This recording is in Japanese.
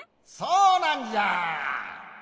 そうなんじゃ！